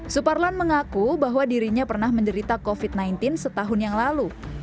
suparlan mengaku bahwa dirinya pernah menderita covid sembilan belas setahun yang lalu